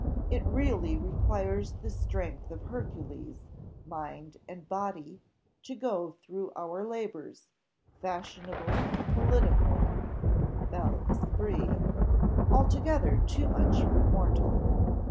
It really requires the strength of Hercules, mind and body, to go through our labours, fashionable, political, bel esprit, altogether too much for mortal.